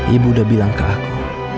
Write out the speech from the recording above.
ibu udah bilang ke aku